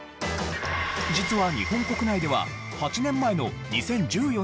実は日本国内では８年前の２０１４年に発行終了。